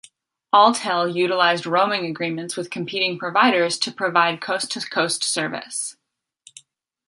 Alltel utilized roaming agreements with competing providers to provide coast-to-coast service.